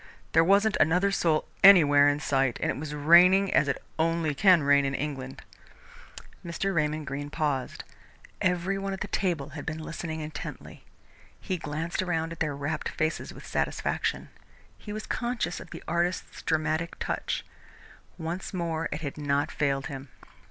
There wasn't another soul anywhere in sight, and it was raining as it only can rain in England." Mr. Raymond Greene paused. Every one at the table had been listening intently. He glanced around at their rapt faces with satisfaction. He was conscious of the artist's dramatic touch. Once more it had not failed him.